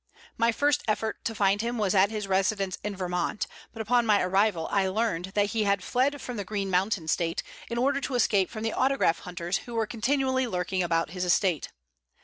My first effort to find him was at his residence in Vermont, but upon my arrival I learned that he had fled from the Green Mountain State in order to escape from the autograph hunters who were continually lurking about his estate.